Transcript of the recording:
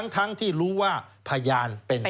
ทั้งที่รู้ว่าพยานเป็น